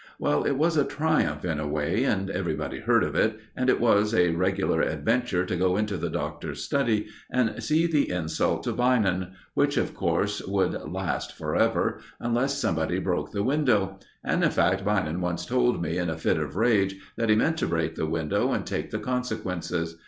Well, it was a triumph in a way, and everybody heard of it, and it was a regular adventure to go into the Doctor's study and see the insult to Beynon, which, of course, would last forever, unless somebody broke the window; and, in fact, Beynon once told me, in a fit of rage, that he meant to break the window and take the consequences.